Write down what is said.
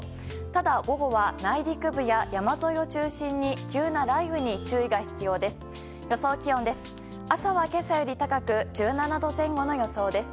ただ、午後は内陸部や山沿いを中心に急な雷雨に注意が必要です。